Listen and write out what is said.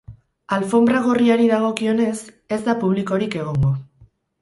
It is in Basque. Alfonbra gorriari dagokionez, ez da publikorik egongo.